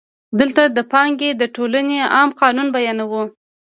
دلته د پانګې د ټولونې عام قانون بیانوو